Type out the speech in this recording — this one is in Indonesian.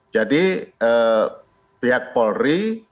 jadi pihak polri